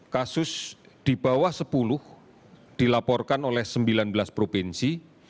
kasus di bawah sepuluh dilaporkan oleh sembilan belas provinsi